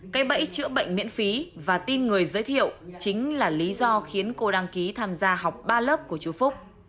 cây bẫy chữa bệnh miễn phí và tin người giới thiệu chính là lý do khiến cô đăng ký tham gia học ba lớp của chú phúc